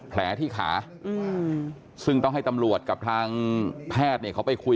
แผลที่ขาซึ่งต้องให้ตำรวจกับทางแพทย์เนี่ยเขาไปคุย